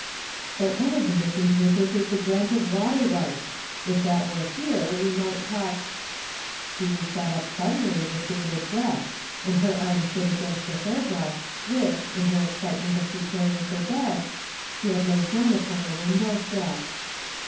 " But one of the missing papers is the grant of water rights. If that were here we might talk " Jean sat up suddenly with bated breath, and her arm hit against the hairbrush which, in her excitement of preparing for bed, she had laid down upon the window sill.